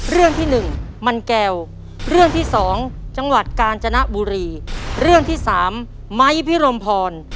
เรื่องที่หนึ่งมันแก้วเรื่องที่สองจังหวัดกาญจนบุรีเรื่องที่สามไม้พิรมพร